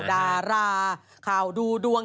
ดวงดวง